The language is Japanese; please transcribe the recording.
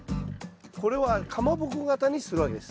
これはかまぼこ形にするわけです。